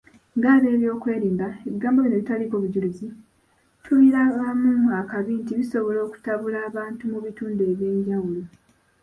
Ng'abeebyokwerinda, ebigambo bino ebitaliko bujulizi, tubirabamu akabi nti bisobola okutabula abantu mu bitundu ebyenjawulo.